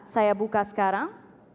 saya buka sekarang